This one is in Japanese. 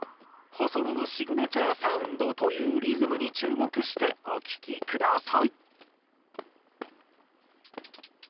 細野のシグネチャーサウンドというリズムに注目してお聴きください。